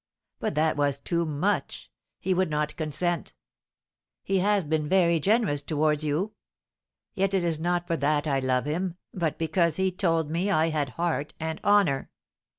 But that was too much, he would not consent." "He has been very generous towards you!" "Yet it is not for that I love him, but because he told me I had heart and honour.